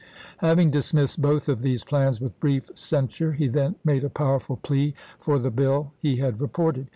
Having dismissed both of these plans with brief censure, he then made a powerful plea for the bill he had reported.